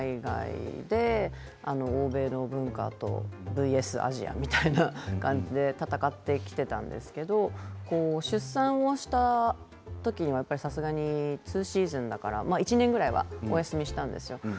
欧米の文化とＶＳアジアみたいな感じで闘ってきていたんですけど出産をした時にさすがにツーシーズンだから１年ぐらいお休みしたんですよ。